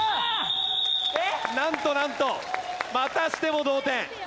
なんとなんとまたしても同点。